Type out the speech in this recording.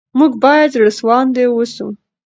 موږ باید زړه سوانده اوسو.